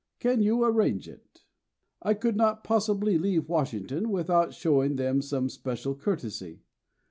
Can you arrange it? I could not possibly leave Washington without showing them some special courtesy.